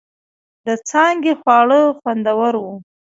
د څانگې خواړه خوندور و.